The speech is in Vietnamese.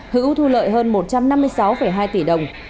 hữu thu lợi hơn một trăm năm mươi sáu hai tỷ đồng